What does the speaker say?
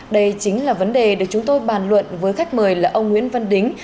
đây chính là vấn đề được chúng tôi bàn luận với khách mời là ông nguyễn văn đính